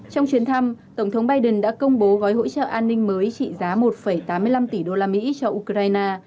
trong chuyến thăm tổng thống biden đã công bố gói hỗ trợ an ninh mới trị giá một tám mươi năm tỷ usd cho ukraine